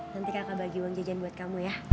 nanti kakak bagi uang jajan buat kamu ya